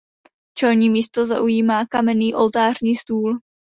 Čelní místo zaujímá kamenný oltářní stůl.